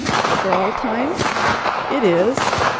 "For all time?" "It is."